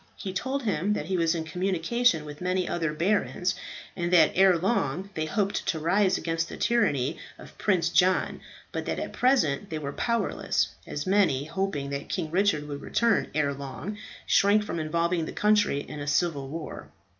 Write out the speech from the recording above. He told him that he was in communication with many other barons, and that ere long they hoped to rise against the tyranny of Prince John, but that at present they were powerless, as many, hoping that King Richard would return ere long, shrank from involving the country in a civil war.